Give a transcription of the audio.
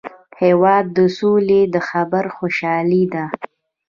هېواد د سولي د خبر خوشالي ده.